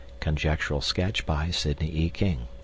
(Conjectural sketch by Sidney E. King.)